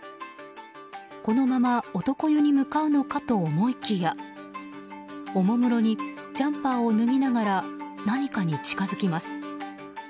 このまま男湯に向かうのかと思いきやおもむろにジャンパーを脱ぎながら何かに近づきます。